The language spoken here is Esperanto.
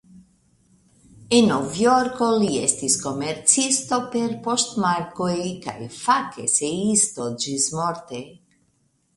En Novjorko li estis komercisto per poŝtmarkoj kaj fakeseisto ĝismorte.